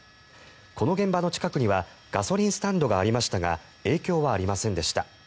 この現場の近くにはガソリンスタンドがありましたが影響はありませんでした。